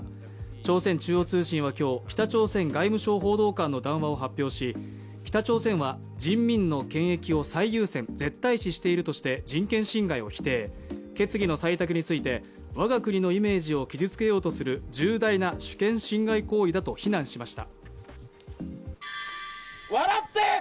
朝鮮中央通信は今日、北朝鮮外務省報道官の談話を発表し北朝鮮は人民の権益を最優先・絶対視しているとして人権侵害を否定、決議の採択について我が国のイメージを傷つけようとする重大な主権侵害行為だと非難しました。